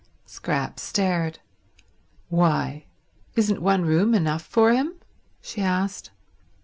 Scrap stared. "Why, isn't one room enough for him?" she asked.